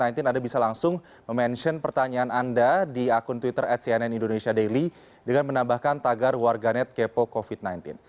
anda bisa langsung mention pertanyaan anda di akun twitter at cnn indonesia daily dengan menambahkan tagar warganet kepo covid sembilan belas